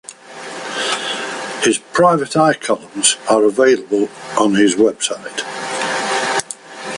His Private Eye columns are available on his website.